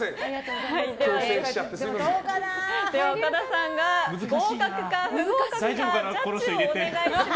岡田さんが合格か不合格かジャッジをお願いします。